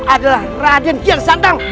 adalah raden kian santang